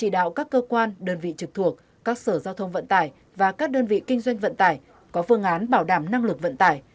đơn vị trực thuộc các sở giao thông vận tải và các đơn vị kinh doanh vận tải có phương án bảo đảm năng lực vận tải